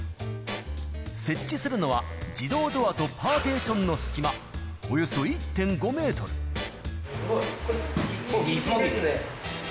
設置するのは自動ドアとパーテーションの隙間、およそ１．５メー結構ぎちですね。